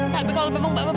tapi kalau memang bapak